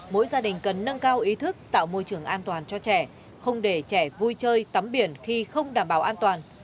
mỗi gia đình cần nâng cao ý thức tạo môi trường an toàn cho trẻ không để trẻ vui chơi tắm biển khi không đảm bảo an toàn